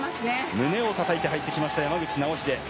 胸をたたいて入ってきました山口尚秀。